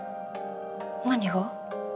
何が？